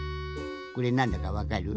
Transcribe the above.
これなんだかわかる？